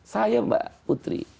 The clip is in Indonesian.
saya mbak putri